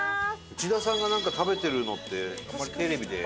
内田さんがなんか食べてるのってあんまりテレビで。